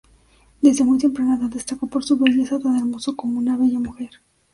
Desde muy temprana edad destacó por su belleza, tan hermoso como una "bella mujer".